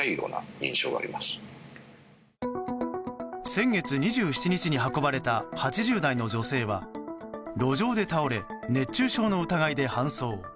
先月２７日に運ばれた８０代の女性は路上で倒れ熱中症の疑いで搬送。